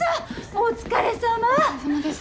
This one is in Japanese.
お疲れさまです。